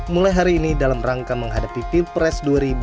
mulai hari ini dalam rangka menghadapi pilpres dua ribu dua puluh